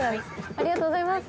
ありがとうございます。